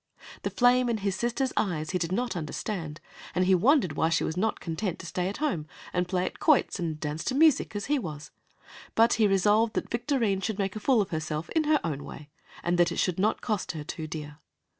The flame in his sister's eyes he did not understand, and he wondered why she was not content to stay at home and play at quoits and dance to music, as he was; but he resolved that Victorine should make a fool of herself in her own way, and that it should not cost her too dear.